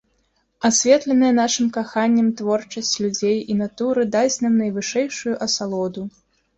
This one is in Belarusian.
Асветленая нашым каханнем творчасць людзей і натуры дасць нам найвышэйшую асалоду.